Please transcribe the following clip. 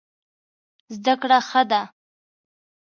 زده کړه ښه ده.